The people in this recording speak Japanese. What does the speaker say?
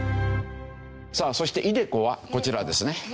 さあそしてｉＤｅＣｏはこちらですね。